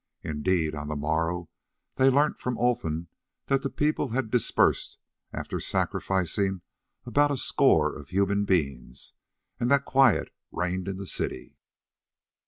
Indeed, on the morrow they learnt from Olfan that the people had dispersed after sacrificing about a score of human beings, and that quiet reigned in the city.